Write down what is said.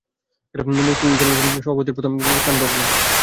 মুফতি ইমদাদুল হকের সভাপতিত্বে প্রথমে চন্দ্রা এলাকায় একটি মিছিল বের করা হয়।